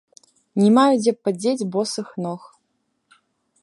Не маю дзе падзець босых ног.